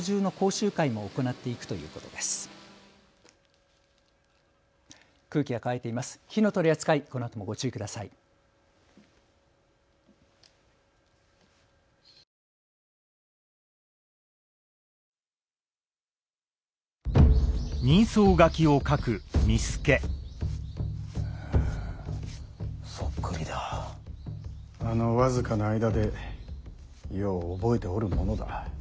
あの僅かな間でよう覚えておるものだ。